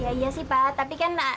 iya iya sih pak tapi kan